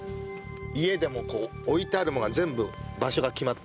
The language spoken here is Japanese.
家でも置いてあるものは全部場所が決まってそう。